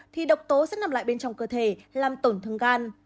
thì độc tố sẽ nằm lại bên trong cơ thể làm tổn thương gan